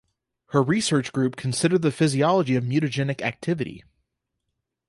Her research group consider the physiology of mutagenic activity.